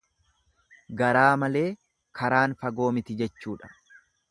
Garaa malee karaan fagoo miti jechuudha.